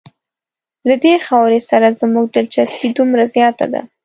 له دې خاورې سره زموږ دلچسپي دومره زیاته ده.